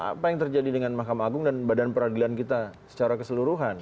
apa yang terjadi dengan mahkamah agung dan badan peradilan kita secara keseluruhan